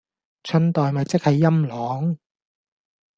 春袋咪即係陰嚢